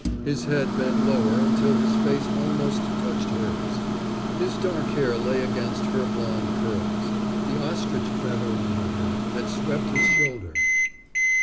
His head bent lower until his face almost touched hers. His dark hair lay against her blond curls. The ostrich feather on her hat swept his shoulder.